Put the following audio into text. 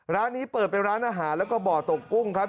ร้านนี้เปิดเป็นร้านอาหารแล้วก็บ่อตกกุ้งครับ